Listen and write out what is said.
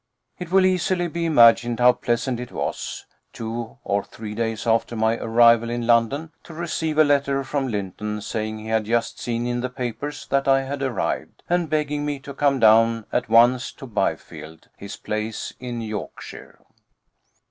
It will easily be imagined how pleasant it was, two or three days after my arrival in London, to receive a letter from Lynton saying he had just seen in the papers that I had arrived, and begging me to come down at once to Byfield, his place in Yorkshire.